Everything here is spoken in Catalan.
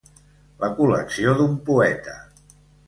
La col·lecció d’un poeta.